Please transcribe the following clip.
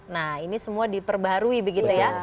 nah ini semua diperbarui begitu ya